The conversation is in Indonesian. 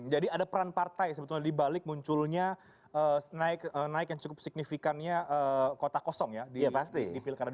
jadi ada peran partai sebetulnya dibalik munculnya naik yang cukup signifikannya kota kosong ya di pilkara dua ribu dua puluh